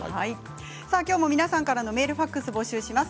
今日も皆さんからのメール、ファックスを募集します。